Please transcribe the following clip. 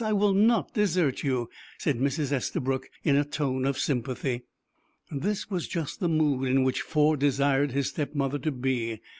I will not desert you," said Mrs. Estabrook, in a tone of sympathy. This was just the mood in which Ford desired his step mother to be.